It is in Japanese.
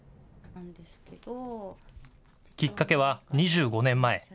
きっかけは２５年前。